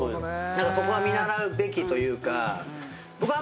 何かそこは見習うべきというか。